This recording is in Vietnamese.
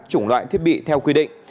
chủng loại thiết bị theo quy định